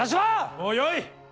もうよい！